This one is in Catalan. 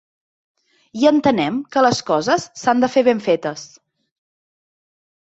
I entenem que les coses s’han de fer ben fetes.